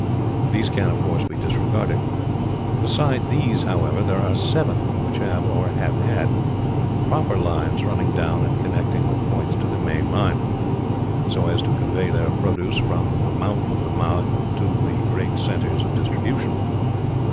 These can, of course, be disregarded. Besides these, however, there are seven which have, or have had, proper lines running down and connecting with points to the main line, so as to convey their produce from the mouth of the mine to the great centres of distribution.